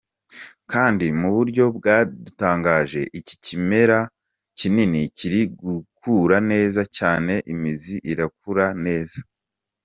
Kandi, mu buryo bwadutangaje, iki kimera kinini kiri gukura neza cyane, imizi irakura neza,.